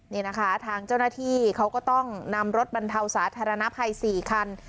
นี่นะคะทางเจ้าหน้าที่เขาก็ต้องนำรถบรรเทาสาธารณภัย๔คัน